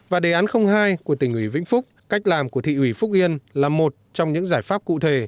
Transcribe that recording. và đề án hai của tỉnh ủy vĩnh phúc cách làm của thị ủy phúc yên là một trong những giải pháp cụ thể